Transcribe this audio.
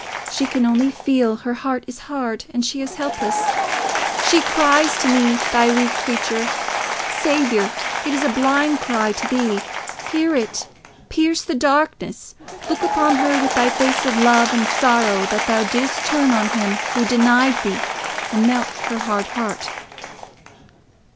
She can only feel her heart is hard, and she is helpless. She cries to me, thy weak creature.... Saviour! It is a blind cry to thee. Hear it! Pierce the darkness! Look upon her with thy face of love and sorrow that thou didst turn on him who denied thee, and melt her hard heart.